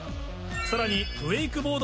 さらに。